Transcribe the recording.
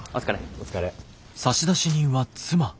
お疲れ。